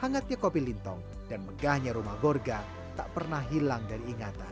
hangatnya kopi lintong dan megahnya rumah borga tak pernah hilang dari ingatan